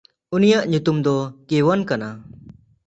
ᱩᱱᱤᱭᱟᱜ ᱧᱩᱛᱩᱢ ᱫᱚ ᱠᱤᱣᱟᱱ ᱠᱟᱱᱟ᱾